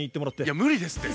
いや無理ですって。